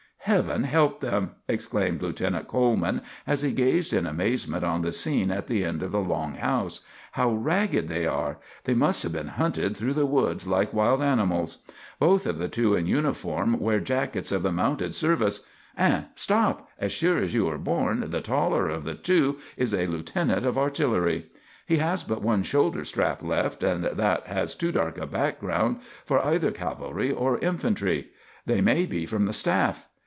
"Heaven help them!" exclaimed Lieutenant Coleman, as he gazed in amazement on the scene at the end of the long house. "How ragged they are! They must have been hunted through the woods like wild animals. Both of the two in uniform wear jackets of the mounted service, and stop as sure as you are born, the taller of the two is a lieutenant of artillery. He has but one shoulder strap left, and that has too dark a ground for either cavalry or infantry. They may be from the staff.